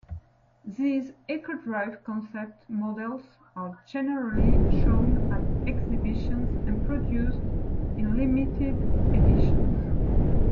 These Eco-Drive Concept Models are generally shown at exhibitions and produced in limited editions.